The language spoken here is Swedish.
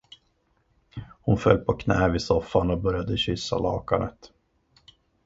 Hon föll på knä vid soffan och började kyssa lakanet.